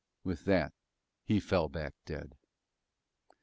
With that he fell back dead.